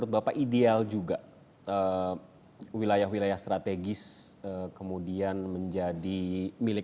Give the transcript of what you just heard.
wilayah wilayah strategis kemudian menjadi milik